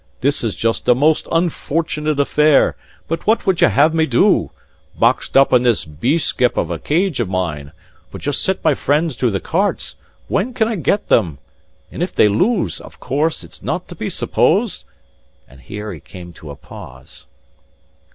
This is just a most unfortunate affair; but what would ye have me do boxed up in this bee skep of a cage of mine but just set my friends to the cartes, when I can get them? And if they lose, of course, it's not to be supposed " And here he came to a pause.